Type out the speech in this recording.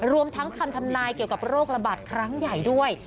รวมทั้งคำทำนายเกี่ยวกับโรคระบาดครั้งใหญ่ด้วย